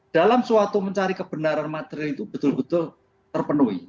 dalam suatu mencari kebenaran material itu betul betul terpenuhi